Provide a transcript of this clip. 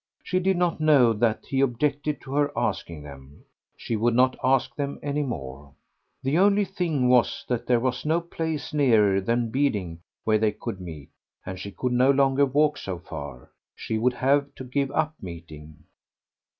She did not know that he objected to her asking them. She would not ask them any more. The only thing was that there was no place nearer than Beeding where they could meet, and she could no longer walk so far. She would have to give up meeting.